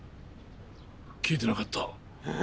聞いてなかった。